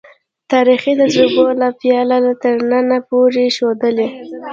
تاریخي تجربو له پیله تر ننه پورې ښودلې.